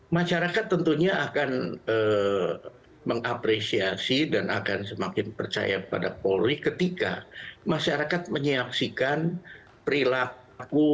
masyarakat tentunya akan mengapresiasi dan akan semakin percaya pada polri ketika masyarakat menyaksikan perilaku